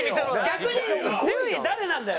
逆に１０位誰なんだよ？